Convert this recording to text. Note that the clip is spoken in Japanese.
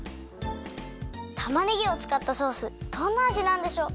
たまねぎをつかったソースどんなあじなんでしょう？